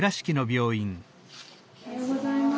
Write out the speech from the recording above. おはようございます。